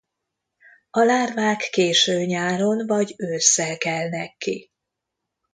A lárvák késő nyáron vagy ősszel kelnek ki.